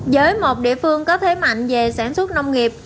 với một địa phương có thế mạnh về sản xuất nông nghiệp